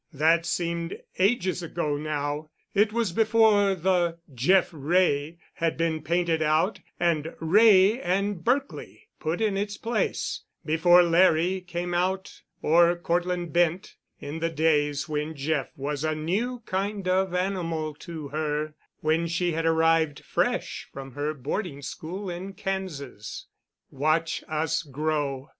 That seemed ages ago now. It was before the "Jeff Wray" had been painted out and "Wray and Berkely" put in its place, before Larry came out, or Cortland Bent, in the days when Jeff was a new kind of animal to her, when she had arrived fresh from her boarding school in Kansas. "Watch Us Grow!"